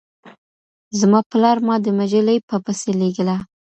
زما پلار ما د مجلې په پسې لېږله.